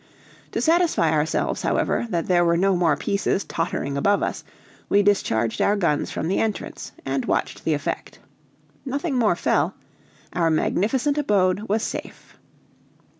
To satisfy ourselves, however, that there were no more pieces tottering above us, we discharged our guns from the entrance, and watched the effect. Nothing more fell our magnificent abode was safe.